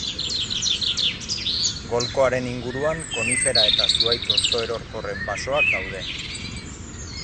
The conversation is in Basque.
Golkoaren inguruan konifera eta zuhaitz hostoerorkorren basoak daude.